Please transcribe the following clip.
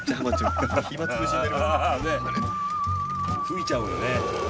吹いちゃうよね。